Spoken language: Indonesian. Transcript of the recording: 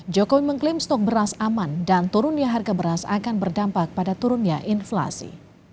jokowi mengklaim stok beras aman dan turunnya harga beras akan berdampak pada turunnya inflasi